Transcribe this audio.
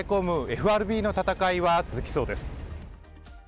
ＦＲＢの闘いは続きそうです。